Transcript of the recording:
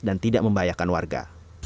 dan tidak membahayakan warga